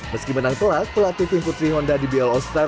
meski menang telak pelatih tim putri honda dbl all star